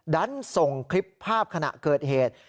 ดันส่งคลิปภาพขณะเกิดเหตุ